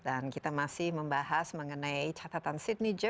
dan kita masih membahas mengenai catatan sydney jones ya